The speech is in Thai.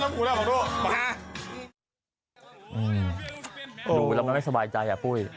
จะทำให้เท่ที่แผ่งแต่ผู้ผู้ชาย